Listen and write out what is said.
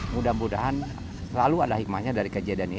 mudah mudahan selalu ada hikmahnya dari kejadian ini